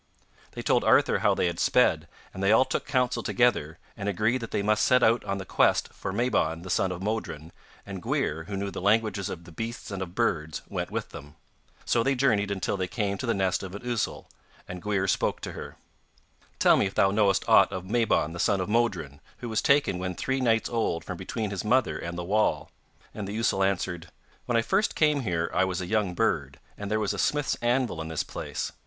They told Arthur how they had sped, and they all took counsel together, and agreed that they must set out on the quest for Mabon the son of Modron, and Gwrhyr, who knew the languages of beasts and of birds, went with them. SO they journeyed until they came to the nest of an ousel, and Gwrhyr spoke to her. 'Tell me if thou knowest aught of Mabon the son of Modron, who was taken when three nights old from between his mother and the wall.' And the ousel answered: 'When I first came here I was a young bird, and there was a smith's anvil in this place.